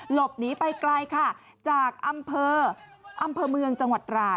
หลบหนีไปไกลค่ะจากอำเภออำเภอเมืองจังหวัดตราด